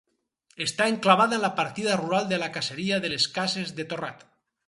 Està enclavada en la partida rural de la caseria de les Cases de Torrat.